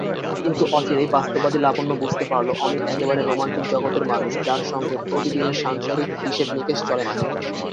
কিন্তু অচিরেই বাস্তববাদী লাবণ্য বুঝতে পারল অমিত একেবারে রোমান্টিক জগতের মানুষ যার সঙ্গে প্রতিদিনের সাংসারিক হিসেব-নিকেশ চলে না।